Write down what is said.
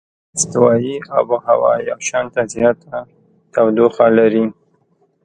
استوایي آب هوا یو شانته زیاته تودوخه لري.